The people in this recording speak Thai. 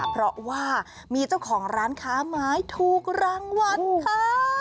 เพราะว่ามีเจ้าของร้านค้าไม้ถูกรางวัลค่ะ